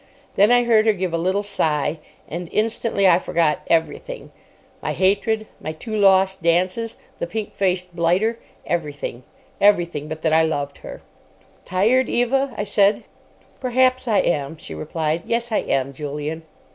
Then I heard her give a little sigh; and instantly I forgot everything—my hatred, my two lost dances, the pink faced blighter—everything. Everything but that I loved her. "Tired, Eva?" I said. "Perhaps I am," she replied. "Yes, I am, Julian."